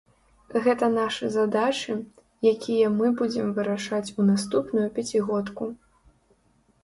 Гэта нашы задачы, якія мы будзем вырашаць у наступную пяцігодку.